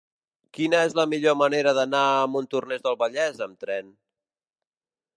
Quina és la millor manera d'anar a Montornès del Vallès amb tren?